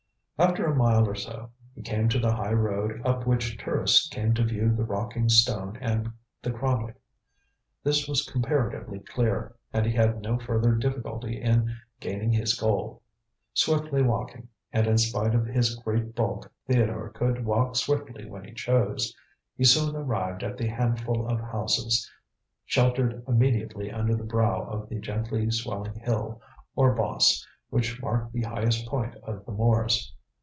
After a mile or so, he came to the high road up which tourists came to view the rocking stone and the cromlech. This was comparatively clear, and he had no further difficulty in gaining his goal. Swiftly walking and in spite of his great bulk Theodore could walk swiftly when he chose he soon arrived at the handful of houses, sheltered immediately under the brow of the gently swelling hill, or boss, which marked the highest point of the moors.